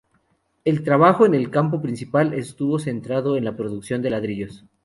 El trabajo en el campo principal estuvo centrado en la producción de ladrillos.